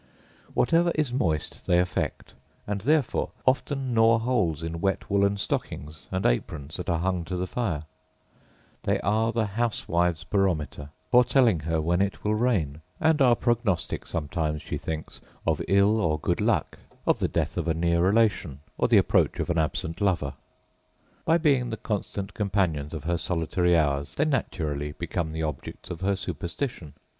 Whatever is moist they affect; and therefore often gnaw holes in wet woollen stockings and aprons that are hung to the fire: they are the housewife's barometer, foretelling her when it will rain; and are prognostic sometimes, she thinks, of in or good luck; of the death of a near relation, or the approach of an absent lover. By being the constant companions of her solitary hours they naturally become the objects of her superstition.